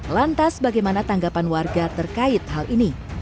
lantas bagaimana tanggapan warga terkait hal ini